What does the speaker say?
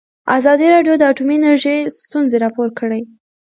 ازادي راډیو د اټومي انرژي ستونزې راپور کړي.